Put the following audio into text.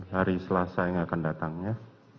hari selasa yang akan datang ya